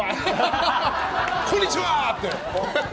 こんにちは！って。